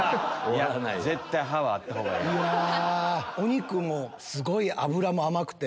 お肉もすごい脂も甘くて。